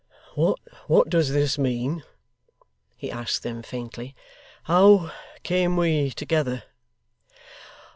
'What does this mean?' he asked them faintly. 'How came we together?